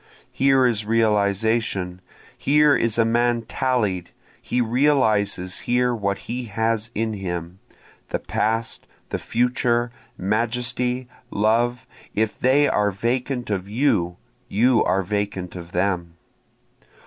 Here is realization, Here is a man tallied he realizes here what he has in him, The past, the future, majesty, love if they are vacant of you, you are vacant of them.